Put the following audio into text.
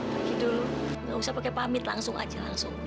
pergi dulu nggak usah pakai pamit langsung aja langsung